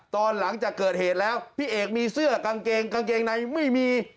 ตอนหลังจากเกิดเหตุแล้วพี่เอกมีเสื้อกางเกงกางเกงในไม่มี